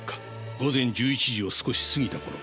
午前１１時を少し過ぎた頃。